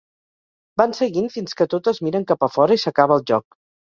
Van seguint fins que totes miren cap a fora i s’acaba el joc.